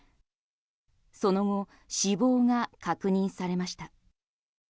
その後、死亡が確認されました。